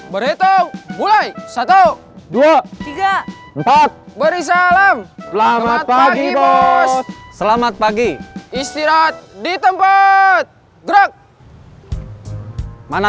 berhitung mulai satu dua tiga empat beri salam selamat pagi bos selamat pagi istirahat di tempat gerak mana